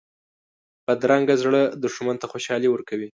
بدرنګه زړه دښمن ته خوشحالي ورکوي